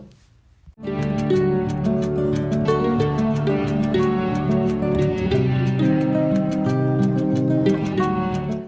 hãy đăng ký kênh để ủng hộ kênh của mình nhé